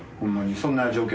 そんな状況。